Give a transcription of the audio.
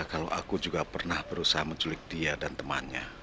kalau aku juga pernah berusaha menculik dia dan temannya